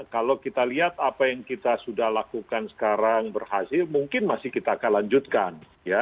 kalau kita lihat yang sudah kita lakukan sekarang berhasil mungkin masih kita akan lanjutkan